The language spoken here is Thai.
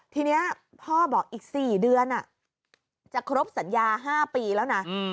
ทีนี้พ่อบอกอีก๔เดือนจะครบสัญญา๕ปีแล้วนะ